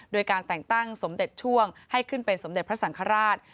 โดยการแต่งตั้งสมเด็จช่วงให้ขึ้นเป็นสมเด็จพระสังฆราช